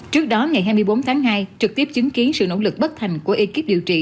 trước đó ngày hai mươi bốn tháng hai trực tiếp chứng kiến sự nỗ lực bất thành của ekip điều trị